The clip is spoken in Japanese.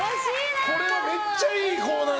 これはめっちゃいいコーナー。